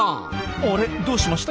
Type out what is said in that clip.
あれどうしました？